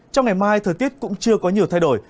trong ngày mai thời tiết cũng chưa có nhiều thay đổi